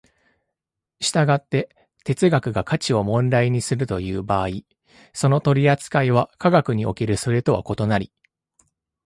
従って哲学が価値を問題にするという場合、その取扱いは科学におけるそれとは異なり、